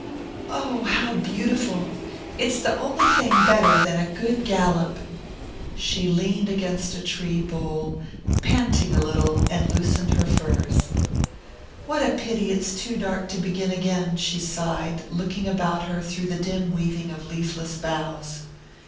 "Oh, how beautiful it's the only thing better than a good gallop!" She leaned against a tree bole, panting a little, and loosening her furs. "What a pity it's too dark to begin again!" she sighed, looking about her through the dim weaving of leafless boughs.